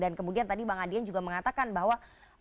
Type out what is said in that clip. dan kemudian tadi bang adian juga mengatakan bahwa